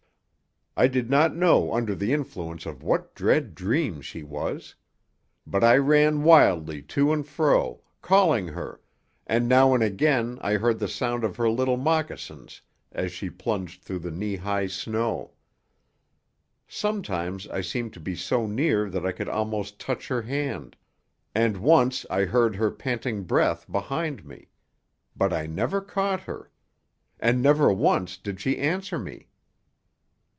I did not know under the influence of what dread dream she was. But I ran wildly to and fro, calling her, and now and again I heard the sound of her little moccasins as she plunged through the knee high snow. Sometimes I seemed to be so near that I could almost touch her hand, and once I heard her panting breath behind me; but I never caught her. And never once did she answer me.